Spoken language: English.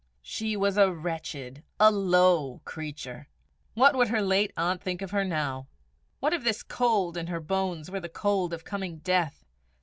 She was a wretched, a low creature! What would her late aunt think to see her now? What if this cold in her bones were the cold of coming death?